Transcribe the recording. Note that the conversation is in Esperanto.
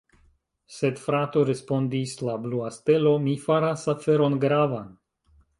Sed frato, respondis la blua stelo, mi faras aferon gravan!